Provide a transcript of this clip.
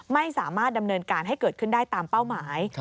ไม่สามารถดำเนินการให้เกิดขึ้นได้ตามเป้าหมาย